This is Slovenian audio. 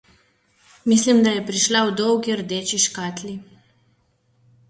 Mislim, da je prišla v dolgi rdeči škatli.